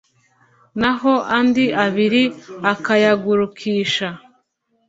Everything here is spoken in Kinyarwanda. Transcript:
naho andi abiri akayagurukisha